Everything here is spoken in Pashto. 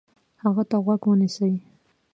هغه ته غوږ ونیسئ،